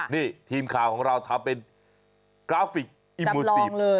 นี่ทีมข่าวของเราทำเป็นกราฟิกอิมมูซีฟเลย